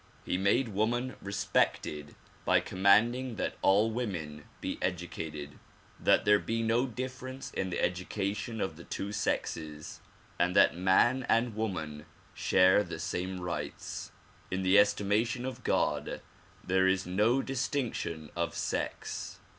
He made woman respected by commanding that all women be educated; that there be no difference in the education of the two sexes and that man and woman share the same rights. In the estimation of God there is no distinction of sex.